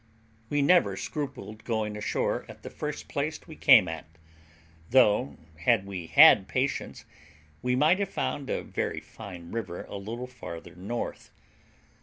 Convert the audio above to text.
We never scrupled going ashore at the first place we came at, though, had we had patience, we might have found a very fine river a little farther north.